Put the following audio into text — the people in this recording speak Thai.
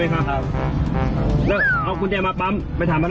ครับอ๋อโอเคเอามาปั๊มนะครับ